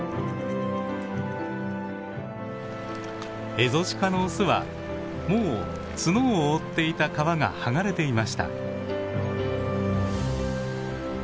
エゾシカのオスはもう角を覆っていた皮が剥がれていました。